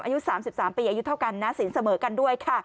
อายุ๓๓ปีอายุเท่ากันนะศีลเสมอกันด้วยค่ะ